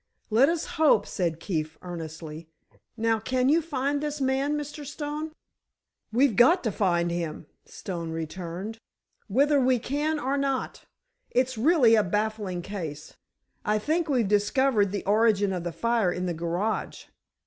"Let us hope," said Keefe, earnestly. "Now, can you find this man, Mr. Stone?" "We've got to find him," Stone returned, "whether we can or not. It's really a baffling case. I think we've discovered the origin of the fire in the garage."